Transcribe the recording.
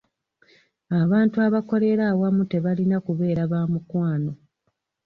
Abantu abakolera awamu tebalina kubeera ba mukwano.